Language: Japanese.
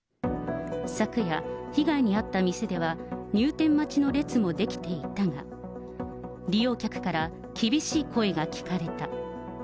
昨夜、被害に遭った店では、入店待ちの列も出来ていたが、利用客から厳しい声が聞かれた。